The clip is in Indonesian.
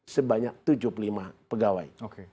sebanyak tujuh puluh lima pegawai